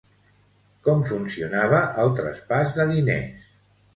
Com funcionava el traspàs de diners?